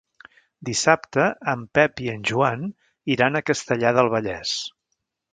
Dissabte en Pep i en Joan iran a Castellar del Vallès.